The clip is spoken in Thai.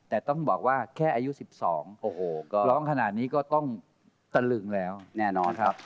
แต่ต้องบอกว่าแค่อายุ๑๒ก็ร้องขนาดนี้ก็ต้องตะลึงแล้วแน่นอนครับ